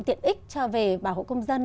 tiện ích cho về bảo hộ công dân